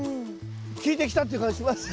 効いてきたって感じします！